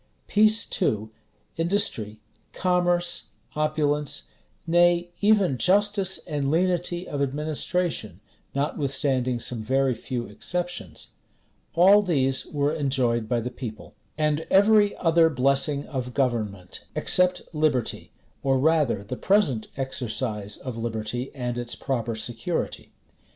Peace too, industry, commerce, opulence; nay, even justice and lenity of administration, notwithstanding some very few exceptions; all these were enjoyed by the people; and every other blessing of government, except liberty, or rather the present exercise of liberty and its proper security.